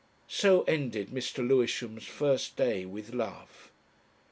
So ended Mr. Lewisham's first day with Love.